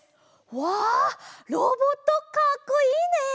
わあっロボットかっこいいね！